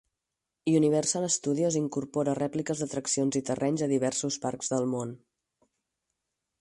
Universal Studios incorpora rèpliques d'atraccions i terrenys a diversos parcs del món.